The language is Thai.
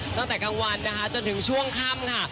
ตั้งแต่กลางวันนะคะจนถึงช่วงค่ำค่ะ